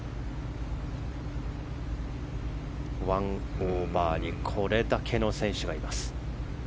１オーバーにこれだけの選手がいます。